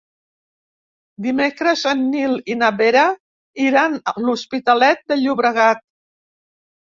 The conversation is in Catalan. Dimecres en Nil i na Vera iran a l'Hospitalet de Llobregat.